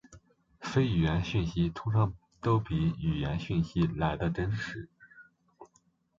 非语言讯息通常都比语言讯息来得真实。